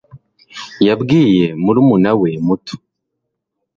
yabwiye murumuna we mutu